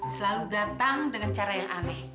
selalu datang dengan cara yang aneh